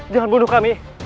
jangan bunuh kami